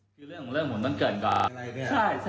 คือเรื่องของเรื่องของผมต้องเกิดก่อน